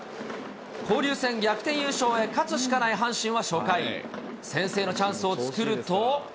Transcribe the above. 交流戦逆転優勝へ、勝しかない阪神は初回、先制のチャンスを作ると。